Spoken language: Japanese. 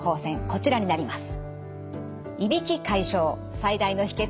こちらになります。